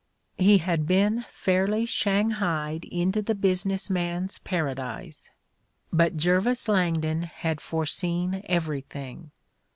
He had been fairly shanghaied into the bvisiness man's paradise! But Jervis Langdon had foreseen everything.